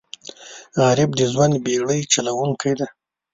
غریب د ژوند بېړۍ چلوونکی دی